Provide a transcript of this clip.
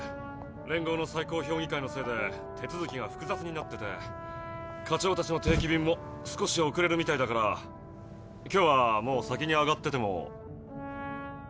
連合の最高評議会のせいで手続きが複雑になってて課長たちの定期便も少しおくれるみたいだから今日はもう先にあがってても。